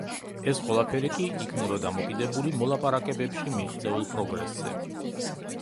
ეს ყველაფერი კი იქნება დამოკიდებული მოლაპარაკებებში მიღწეულ პროგრესზე.